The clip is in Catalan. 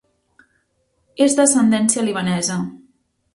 És d'ascendència libanesa.